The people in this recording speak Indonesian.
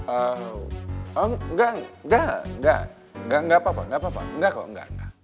ehm enggak enggak enggak enggak enggak apa apa enggak kok enggak